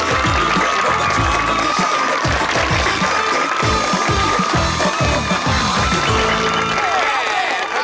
แล้วก็กดเอาล่ายังไม่มีเพลิง